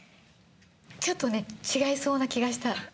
ちょっとね違いそうな気がした。